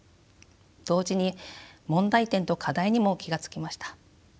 同時に問題点と課題にも気が付きました。